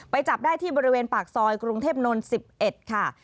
จับได้ที่บริเวณปากซอยกรุงเทพนนท์๑๑ค่ะ